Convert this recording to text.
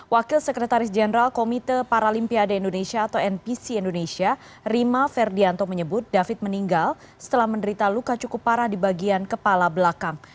wakil sekretaris jenderal komite paralimpiade indonesia atau npc indonesia rima ferdianto menyebut david meninggal setelah menderita luka cukup parah di bagian kepala belakang